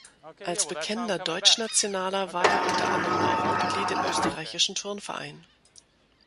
Als bekennender Deutschnationaler war er unter anderem auch Mitglied im Österreichischen Turnverein.